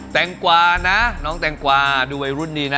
แงกวานะน้องแตงกวาดูวัยรุ่นดีนะ